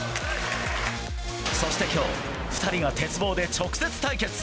そして今日２人が鉄棒で直接対決。